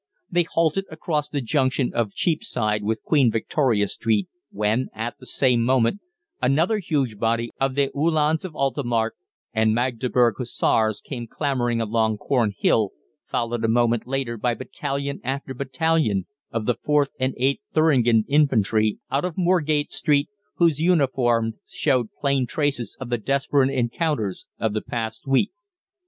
They halted across the junction of Cheapside with Queen Victoria Street when, at the same moment, another huge body of the Uhlans of Altmark and Magdeburg Hussars came clattering along Cornhill, followed a moment later by battalion after battalion of the 4th and 8th Thuringen Infantry out of Moorgate Street, whose uniforms showed plain traces of the desperate encounters of the past week.